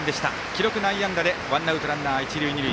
記録、内野安打でワンアウト、一塁二塁。